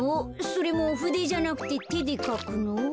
それもふでじゃなくててでかくの？